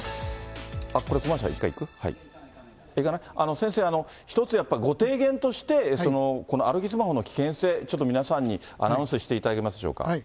先生、一つやっぱりご提言として、この歩きスマホの危険性、ちょっと皆さんにアナウンスしていただけますでしょうか。